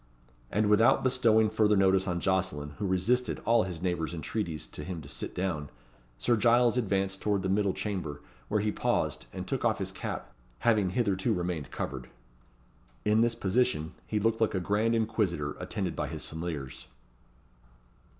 And without bestowing further notice on Jocelyn, who resisted all his neighbour's entreaties to him to sit down, Sir Giles advanced towards the middle chamber, where he paused, and took off his cap, having hitherto remained covered. In this position, he looked like a grand inquisitor attended by his familiars.